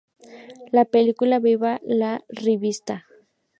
Las película "Viva la rivista!